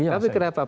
tapi kenapa pak